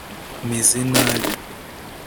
Meze nabi